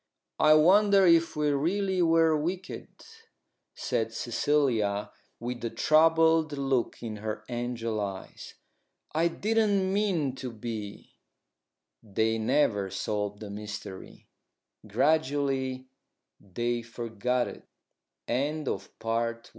"I wonder if we really were wicked," said Cecilia, with a troubled look in her angel eyes. "I didn't mean to be." They never solved the mystery; gradually they forgot it. PART II.